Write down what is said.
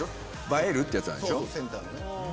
映えるってやつなんでしょ。